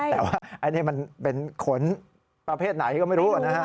แต่ว่าอันนี้มันเป็นขนประเภทไหนก็ไม่รู้นะฮะ